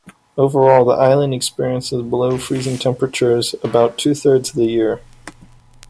Overall, the island experiences below freezing temperatures about two thirds of the year.